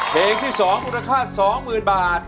เพลงที่สองอุณหภาษาสองหมื่นบาท